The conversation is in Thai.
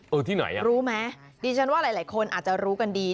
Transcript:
ที่ไหนอ่ะรู้ไหมดิฉันว่าหลายคนอาจจะรู้กันดี